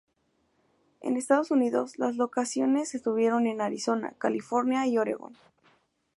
En Estados Unidos, las locaciones estuvieron en Arizona, California y Oregon.